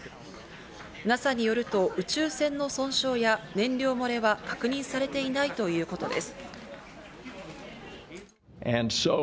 ＮＡＳＡによると、宇宙船の損傷や燃料漏れは確認されていないということです。